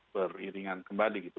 beriringan kembali gitu